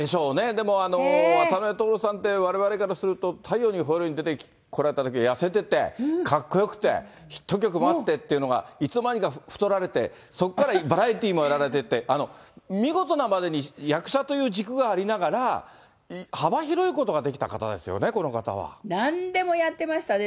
でも、渡辺徹さんって、われわれからすると、太陽にほえろ！に出てこられたとき、痩せてて、かっこよくて、ヒット曲もあってっていうのが、いつの間にか太られて、そこからバラエティーもやられてって、見事なまでに、役者という軸がありながら、幅広いことができた方ですよね、なんでもやってましたね。